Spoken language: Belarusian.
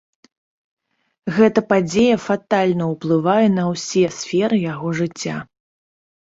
Гэтая падзея фатальна ўплывае на ўсе сферы яго жыцця.